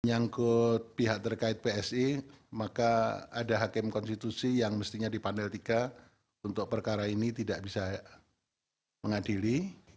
menyangkut pihak terkait psi maka ada hakim konstitusi yang mestinya dipanel tiga untuk perkara ini tidak bisa mengadili